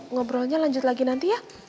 ngobrolnya lanjut lagi nanti ya